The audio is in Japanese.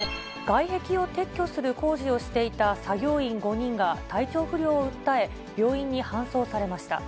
きょう正午ごろ、東京・府中市の高校で、外壁を撤去する工事をしていた作業員５人が体調不良を訴え、病院に搬送されました。